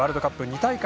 ２大会